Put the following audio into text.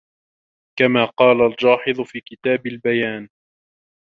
كَمَا قَالَ الْجَاحِظُ فِي كِتَابِ الْبَيَانِ